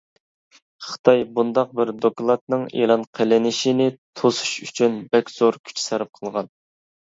خىتاي بۇنداق بىر دوكلاتنىڭ ئېلان قىلىنىشىنى توسۇش ئۈچۈن بەك زور كۈچ سەرپ قىلغان.